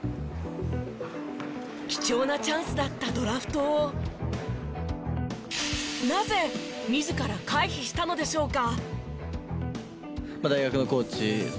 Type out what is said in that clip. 貴重なチャンスだったドラフトをなぜ自ら回避したのでしょうか。